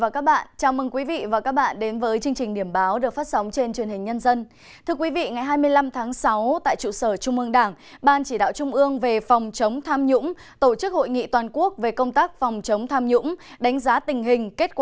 các bạn hãy đăng ký kênh để ủng hộ kênh của chúng mình nhé